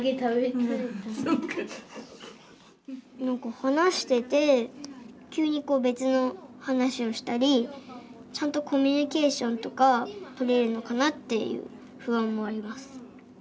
話してて急に別の話をしたりちゃんとコミュニケーションとかとれるのかなっていう不安もあります。